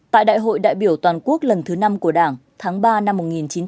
tại đại hội đại biểu toàn quốc lần thứ năm của đảng tháng ba năm một nghìn chín trăm bảy mươi